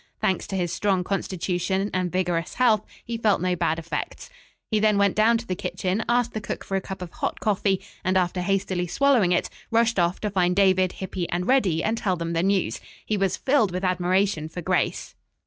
Thanks to his strong constitution and vigorous health, he felt no bad effects. He then went down to the kitchen, asked the cook for a cup of hot coffee, and, after hastily swallowing it, rushed off to find David, Hippy and Reddy and tell them the news. He was filled with admiration for Grace.